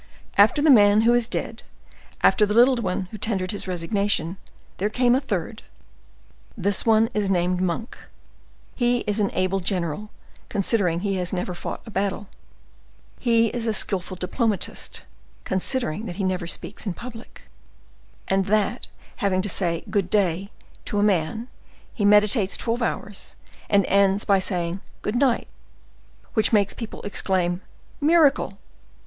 After the great man who is dead, after the little one who tendered his resignation, there came a third. This one is named Monk; he is an able general, considering he has never fought a battle; he is a skillful diplomatist, considering that he never speaks in public, and that having to say 'good day' to a man, he meditates twelve hours, and ends by saying 'good night;' which makes people exclaim 'miracle!